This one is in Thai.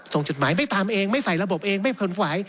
ส่งจดหมายไม่ตามเองไม่ใส่ระบบเองไม่เป็นฝ่าย